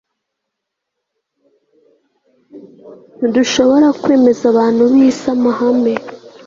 Ntudushobora kwemeza abantu bisi amahame